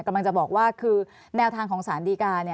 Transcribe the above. กำลังจะบอกว่าคือแนวทางของสารดีกา